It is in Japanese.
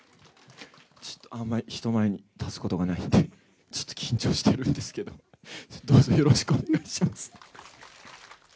ちょっとあんまり、人前に立つことがないんで、ちょっと緊張してるんですけど、どうぞよろしくお願いします。